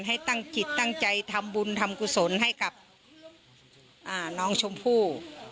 ให้ตั้งจิตตั้งใจทำบุญทำกุศลให้กับน้องชมพู่